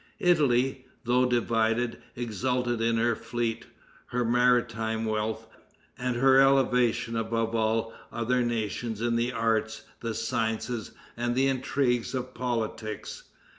Italy, though divided, exulted in her fleet, her maritime wealth, and her elevation above all other nations in the arts, the sciences and the intrigues of politics.